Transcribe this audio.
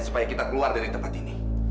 supaya kita keluar dari tempat ini